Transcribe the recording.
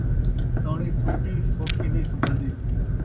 تاݨی thirty سوکھی نئیں سنبھلدی